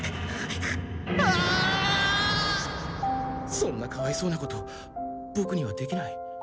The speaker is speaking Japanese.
そんなかわいそうなことボクにはできない。